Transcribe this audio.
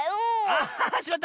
あしまった！